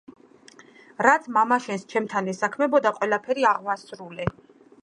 რაც მამაშენს ჩემთან ესაქმებოდა, ყველაფერი აღვასრულე.